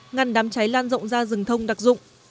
ngăn đám cháy lan rộng ra rừng thông đặc dụng